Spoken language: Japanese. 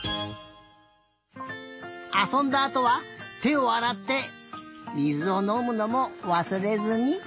あそんだあとはてをあらってみずをのむのもわすれずに。